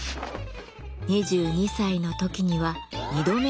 ２２歳の時には２度目の上京。